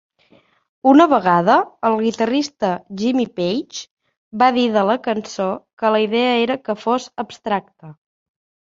Una vegada el guitarrista Jimmy Page va dir de la cançó que la idea era que fos abstracta.